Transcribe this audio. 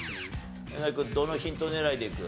どのヒント狙いでいく？